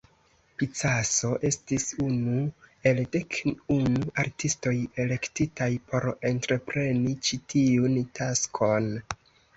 Picasso estis unu el dek unu artistoj elektitaj por entrepreni ĉi tiun taskon.